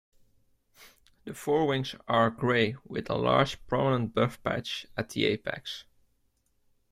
The forewings are grey with a large prominent buff patch at the apex.